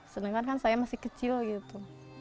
sedangkan kan saya masih kecil gitu